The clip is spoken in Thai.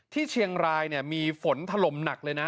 ที่เชียงรายมีฝนถล่มหนักเลยนะ